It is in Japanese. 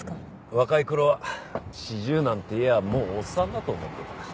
若い頃は４０なんていえばもうおっさんだと思ってた。